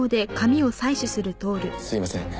すいません。